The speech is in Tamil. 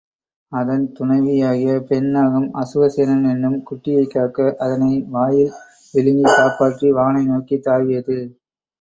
அதன் துணைவியாகிய பெண் நாகம் அசுவசேனன் என்னும் குட்டியைக்காக்க அதனை வாயில் விழுங்கிக் காப்பாற்றி வானை நோக்கித் தாவியது.